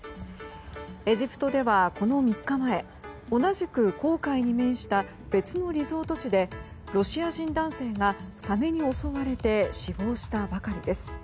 エジプトでは、この３日前同じく紅海に面した別のリゾート地でロシア人男性がサメに襲われて死亡したばかりです。